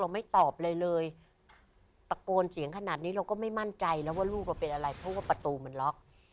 ไม่ตอบอะไรเลยตะโกนเสียงขนาดนี้เราก็ไม่มั่นใจแล้วว่าลูกเราเป็นอะไรเพราะว่าประตูมันล็อก